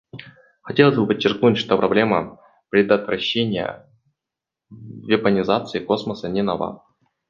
Хотелось бы подчеркнуть, что проблема предотвращения вепонизации космоса не нова.